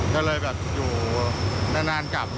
ก็เลยแบบอยู่นานกลับ